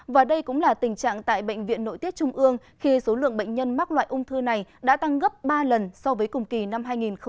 và đây cũng là tình trạng tại bệnh viện nội tiết trung ương khi số lượng bệnh nhân mắc loại ung thư này đã tăng gấp ba lần so với cùng kỳ năm hai nghìn một mươi tám